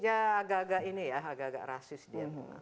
ya agak agak ini ya agak agak rasis dia